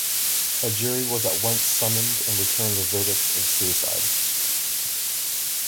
A jury was at once summoned, and returned a verdict of suicide.